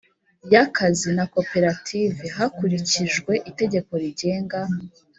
y akazi na Koperative hakurikijwe itegeko rigenga